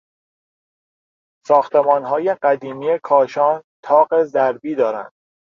ساختمانهای قدیمی کاشان تاق ضربی دارند.